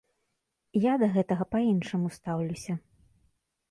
Я да гэтага па-іншаму стаўлюся.